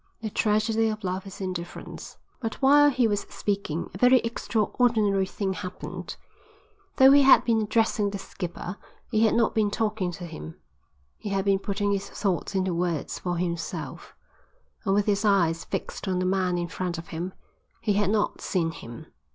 The tragedy of love is indifference." But while he was speaking a very extraordinary thing happened. Though he had been addressing the skipper he had not been talking to him, he had been putting his thoughts into words for himself, and with his eyes fixed on the man in front of him he had not seen him.